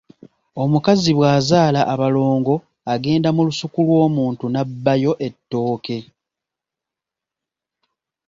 Omukazi bwazaala abalongo agenda mu lusuku lw’omuntu n’abbayo ettooke.